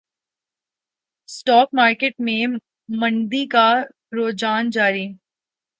stock market میں مندی کا رجحان جاری